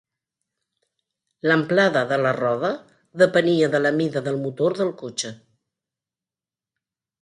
L'amplada de la roda depenia de la mida del motor del cotxe.